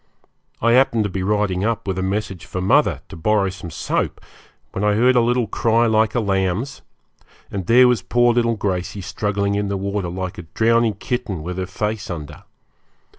I happened to be riding up with a message for mother, to borrow some soap, when I heard a little cry like a lamb's, and there was poor little Gracey struggling in the water like a drowning kitten, with her face under.